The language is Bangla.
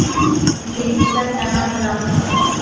জিনিসটা কেন নিলাম?